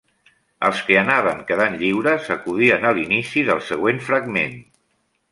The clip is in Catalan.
Els que anaven quedant lliures acudien a l'inici del següent fragment.